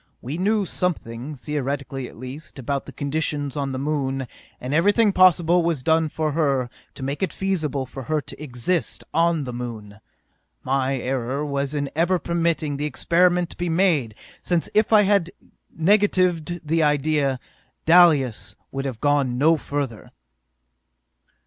We knew something, theoretically at least, about the conditions on the Moon, and everything possible was done for her, to make it feasible for her to exist on the Moon. My error was in ever permitting the experiment to be made, since if I had negatived the idea. Dalis would have gone no further!